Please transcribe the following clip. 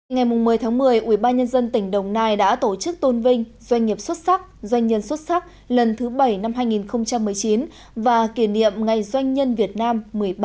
ngày một mươi một mươi ubnd tỉnh đồng nai đã tổ chức tôn vinh doanh nghiệp xuất sắc doanh nhân xuất sắc lần thứ bảy năm hai nghìn một mươi chín và kỷ niệm ngày doanh nhân việt nam một mươi ba một mươi